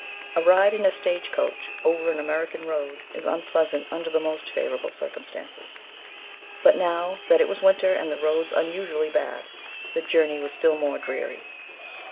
A ride in a stage coach, over an American road, is unpleasant under the most favourable circumstances. But now that it was winter, and the roads unusually bad, the journey was still more dreary.